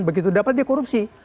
begitu dapat dia korupsi